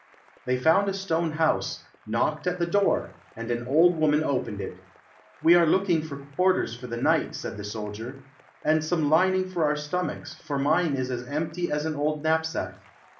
They found a stone house, knocked at the door, and an old woman opened it. "We are looking for quarters for the night," said the soldier, "and some lining for our stomachs, for mine is as empty as an old knapsack."